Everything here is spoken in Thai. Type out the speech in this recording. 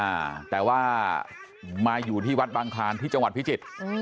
อ่าแต่ว่ามาอยู่ที่วัดบางคลานที่จังหวัดพิจิตรอืม